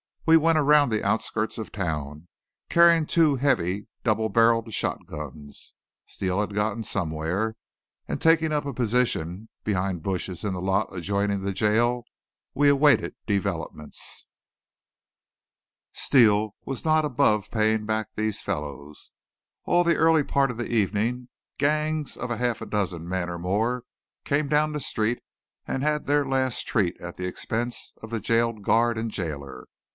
We went around the outskirts of town, carrying two heavy double barreled shotguns Steele had gotten somewhere and taking up a position behind bushes in the lot adjoining the jail; we awaited developments. Steele was not above paying back these fellows. All the early part of the evening, gangs of half a dozen men or more came down the street and had their last treat at the expense of the jail guard and jailer.